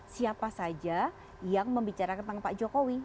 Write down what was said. siapa saja yang membicarakan tentang pak jokowi